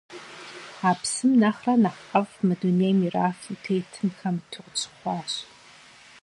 А псым нэхърэ нэхъ ӀэфӀ мы дунейм ирафу тетым хэмыту къытщыхъуащ.